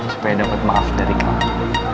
supaya dapat maaf dari kami